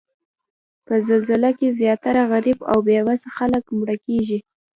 په زلزله کې زیاتره غریب او بې وسه خلک مړه کیږي